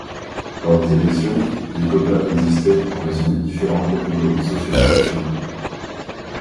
Lors des élections, des quotas existaient en raison des différentes catégories socio-professionnelles.